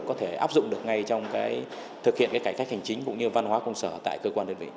có thể áp dụng được ngay trong thực hiện cải cách hành chính văn hóa công sở tại cơ quan đơn vị